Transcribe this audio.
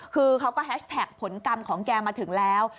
คือเขาก็แฮชแท็กผลกรรมของแกมาถึงแล้ว